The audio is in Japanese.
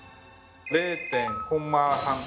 ０．コンマ３とか。